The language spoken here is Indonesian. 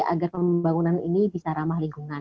agar pembangunan ini bisa ramah lingkungan